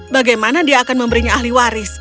bagaimana dia akan memberinya ahli waris